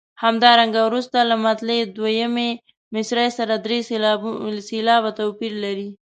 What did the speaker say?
همدارنګه وروسته له مطلع دویمې مصرع سره درې سېلابه توپیر لري.